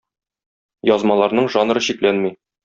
Язмаларның жанры чикләнми.